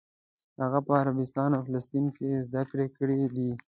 هغه په عربستان او فلسطین کې زده کړې کړې دي.